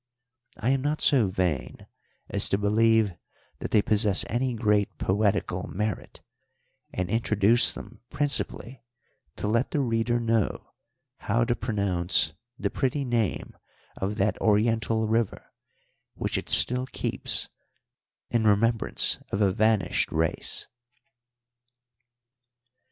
I am not so vain as to believe that they possess any great poetical merit, and introduce them principally to let the reader know how to pronounce the pretty name of that Oriental river, which it still keeps in remembrance of a vanished race.